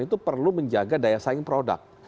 itu perlu menjaga daya saing produk